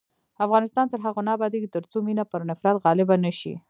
افغانستان تر هغو نه ابادیږي، ترڅو مینه پر نفرت غالبه نشي.